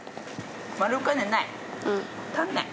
丸いお金ない？